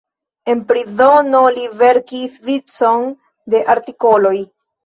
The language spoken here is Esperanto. En prizono li verkis vicon de artikoloj.